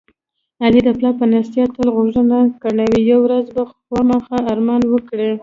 علي د پلار په نصیحت تل غوږونه کڼوي. یوه ورځ به خوامخا ارمان وکړي.